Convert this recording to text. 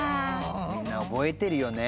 みんな覚えてるよね。